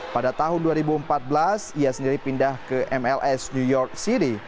pada tahun dua ribu empat belas ia sendiri pindah ke mls new york city